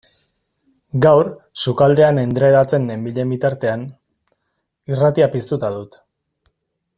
Gaur, sukaldean endredatzen nenbilen bitartean, irratia piztuta dut.